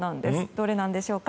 どれなんでしょうか。